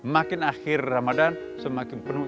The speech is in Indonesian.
makin akhir ramadan semakin penuh